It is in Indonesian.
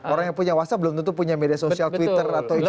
orang yang punya whatsapp belum tentu punya media sosial twitter atau instag